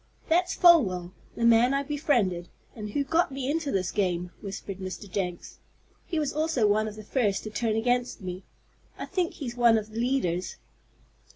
"That's Folwell the man I befriended, and who got me into this game," whispered Mr. Jenks. "He was also one of the first to turn against me. I think he's one of the leaders."